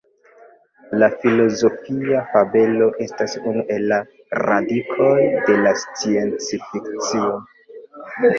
La filozofia fabelo estas unu el la "radikoj" de la sciencfikcio.